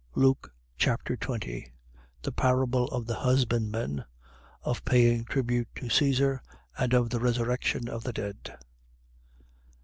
Luke Chapter 20 The parable of the husbandmen. Of paying tribute to Caesar and of the resurrection of the dead.